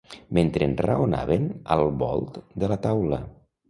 Mentre enraonaven al volt de la taula